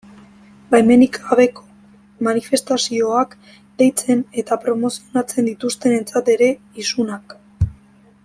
Baimenik gabeko manifestazioak deitzen eta promozionatzen dituztenentzat ere, isunak.